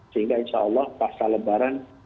sehingga insya allah pasca lebaran